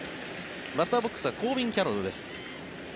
バッターボックスはコービン・キャロルです。